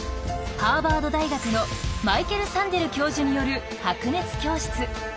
ハーバード大学のマイケル・サンデル教授による「白熱教室」。